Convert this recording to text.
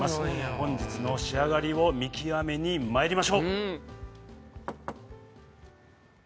本日の仕上がりを見極めにまいりましょう！